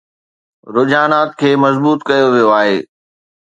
رجحانات کي مضبوط ڪيو ويو آهي